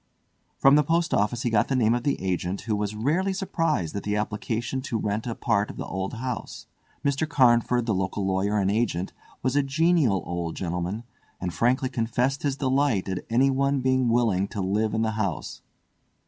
From the post office he got the name of the agent, who was rarely surprised at the application to rent a part of the old house. Mr. Carnford, the local lawyer and agent, was a genial old gentleman, and frankly confessed his delight at anyone being willing to live in the house.